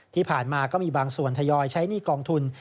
ที่ผ่านมาก็มีบางส่วนทยอยใช้หนี้กองทุน